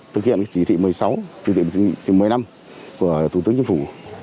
thực hiện chỉ thị một mươi sáu chỉ thị một mươi năm của thủ tướng chính phủ